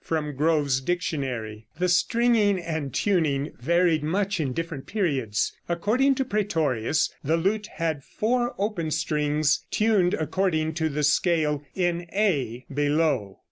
(From Grove's Dictionary.)] The stringing and tuning varied much in different periods. According to Prætorius, the lute had four open strings tuned according to the scale in a below.